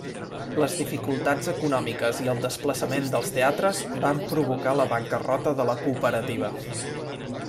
Les dificultats econòmiques i el desplaçament dels teatres van provocar la bancarrota de la cooperativa.